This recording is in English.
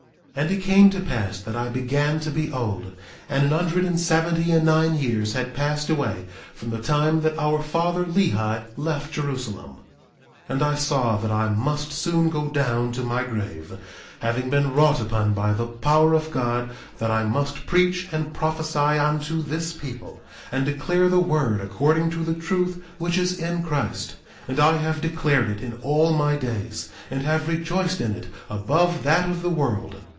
1:25 And it came to pass that I began to be old, and an hundred and seventy and nine years had passed away from the time that our father Lehi left Jerusalem. 1:26 And I saw that I must soon go down to my grave, having been wrought upon by the power of God that I must preach and prophesy unto this people, and declare the word according to the truth which is in Christ. And I have declared it in all my days, and have rejoiced in it above that of the world.